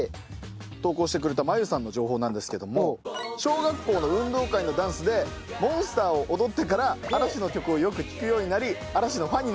投稿してくれた真由さんの情報なんですけども小学校の運動会のダンスで『Ｍｏｎｓｔｅｒ』を踊ってから嵐の曲をよく聴くようになり嵐のファンになりました。